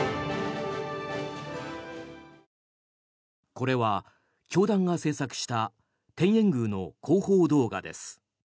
これは教団が制作した天苑宮の広報動画です。